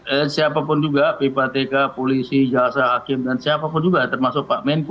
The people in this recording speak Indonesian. jadi siapapun juga ppatk polisi jasa hakim dan siapapun juga termasuk pak menko